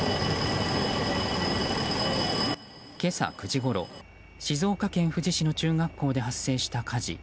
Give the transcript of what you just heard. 今朝９時ごろ、静岡県富士市の中学校で発生した火事。